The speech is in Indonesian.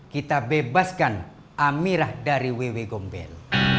kita bebaskan amirah dari wewe gombel